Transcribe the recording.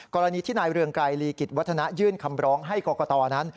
กรณีที่นายเรืองไกรลีกิจวัฒนะยื่นคำร้องให้กรกตนั้น